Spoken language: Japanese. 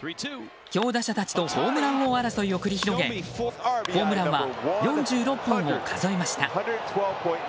強打者たちとホームラン王争いを繰り広げホームランは４６本を数えました。